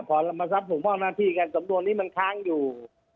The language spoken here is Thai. พอเรามาทรัพย์ส่งมอบหน้าที่กันสำนวนนี้มันค้างอยู่